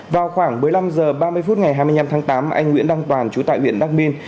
vào khoảng một mươi năm h ba mươi phút ngày hai mươi năm tháng tám anh nguyễn đăng toàn chú tại huyện đắc minh